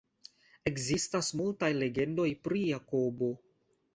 Ekzistas multaj legendoj pri Jakobo.